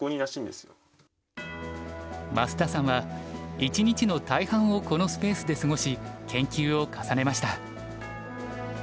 増田さんは一日の大半をこのスペースで過ごし研究を重ねました。